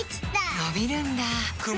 のびるんだ